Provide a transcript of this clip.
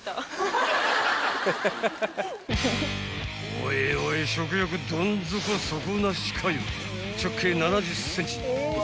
［おいおい食欲どん底底なしかよ］